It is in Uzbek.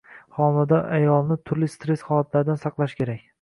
Homilador ayolni turli stress holatlaridan saqlash kerak.